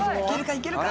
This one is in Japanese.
いけるか？